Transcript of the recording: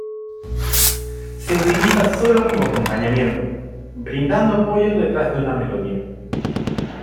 Se utiliza sólo como acompañamiento, brindando apoyo detrás de una melodía.